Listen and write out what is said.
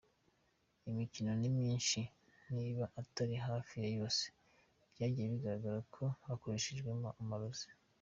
Imikino ni myinshi niba atari hafi ya yose, byagiye bigaragara ko yakoreshejwemo amarozi.